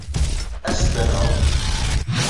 As-d ad nɛum.